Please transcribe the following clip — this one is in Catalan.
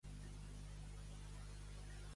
Contestar a la demanda.